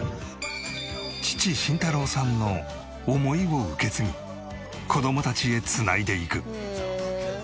父慎太郎さんの思いを受け継ぎ子どもたちへ繋いでいく。